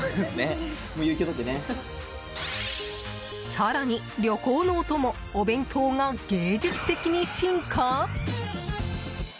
更に旅行のお供お弁当が芸術的に進化？